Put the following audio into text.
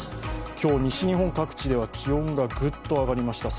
今日、西日本各地では気温がグッと上がりました。